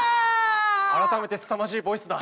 改めてすさまじいボイスだ。